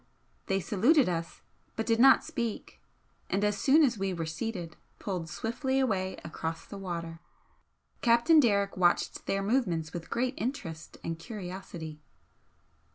They saluted us, but did not speak, and as soon as we were seated, pulled swiftly away across the water. Captain Derrick watched their movements with great interest and curiosity.